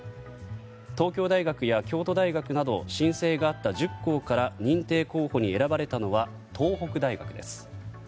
東京大学や京都大学など申請があった１０校から認定候補に選ばれたのは東北大学です。